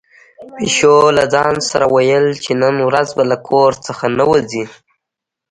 پيشو له ځان سره ویل چې نن ورځ به له کور څخه نه وځي.